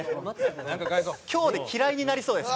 今日で嫌いになりそうです